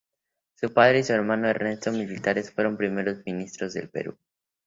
Su padre y su hermano Ernesto, militares, fueron primeros ministros del Perú.